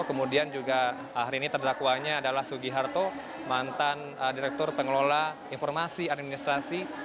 kemudian juga hari ini terdakwanya adalah sugiharto mantan direktur pengelola informasi administrasi